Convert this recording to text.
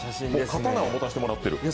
刀を持たせてもらってる。